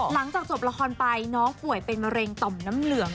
หลังจากจบละครไปน้องป่วยเป็นมะเร็งต่อมน้ำเหลือง